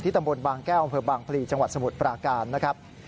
ตำบลบางแก้วอำเภอบางพลีจังหวัดสมุทรปราการนะครับ